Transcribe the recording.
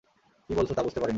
কী বলছো তা বুঝতে পারিনি।